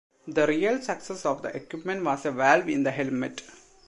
The real success of the equipment was a valve in the helmet.